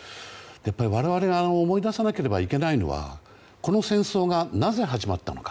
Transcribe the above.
我々が思い出さなければいけないのはこの戦争がなぜ始まったのか。